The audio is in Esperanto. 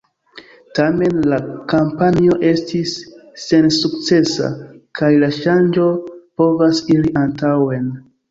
Tamen la kampanjo estis sensukcesa kaj la ŝanĝo povas iri antaŭen.